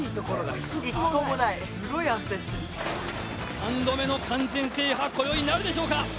３度目の完全制覇こよい、なるでしょうか。